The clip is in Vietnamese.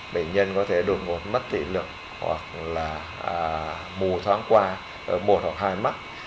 bệnh nhân có thể đột ngột mất tỷ lượng hoặc là bù thoáng qua một hoặc hai mắt